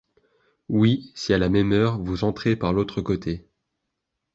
Oui, si à la même heure vous entrez par l’autre côté.